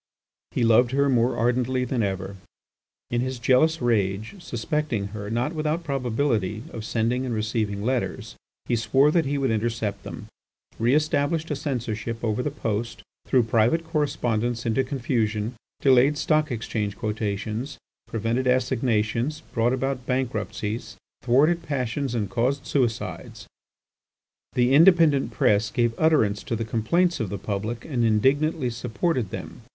He loved her more ardently than ever. In his jealous rage, suspecting her, not without probability, of sending and receiving letters, he swore that he would intercept them, re established a censorship over the post, threw private correspondence into confusion, delayed stock exchange quotations, prevented assignations, brought about bankruptcies, thwarted passions, and caused suicides. The independent press gave utterance to the complaints of the public and indignantly supported them.